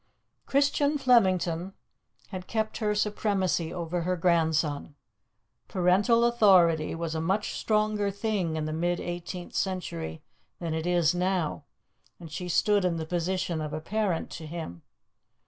Christian Flemington had kept her supremacy over her grandson. Parental authority was a much stronger thing in the mid eighteenth century than it is now, and she stood in the position of a parent to him.